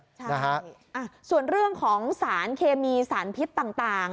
ใช่นะฮะส่วนเรื่องของสารเคมีสารพิษต่าง